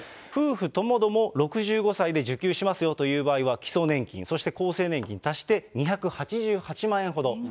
夫婦共々６５歳で受給しますよという場合は基礎年金、そして厚生年金足して２８８万円ほど。